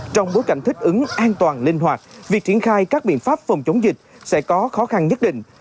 trong bối cảnh thích ứng an toàn linh hoạt việc triển khai các biện pháp phòng chống dịch sẽ có khó khăn nhất định